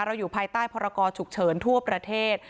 อยู่ภายใต้พรกรฉุกเฉินทั่วประเทศ